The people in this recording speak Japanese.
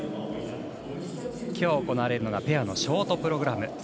きょう、行われるのがペアのショートプログラム。